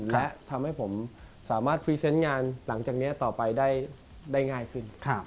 และทำให้ผมสามารถพรีเซนต์งานหลังจากนี้ต่อไปได้ง่ายขึ้น